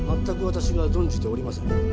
全く私は存じておりません。